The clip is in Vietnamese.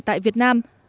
tại việt nam